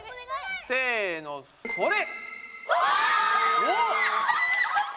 せのそれ！